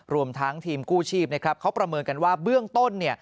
รวมทั้งทีมกู้ชีพนะครับเขาประเมินกันว่าเบื้องต้น